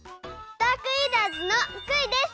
ダークイーターズのクイです。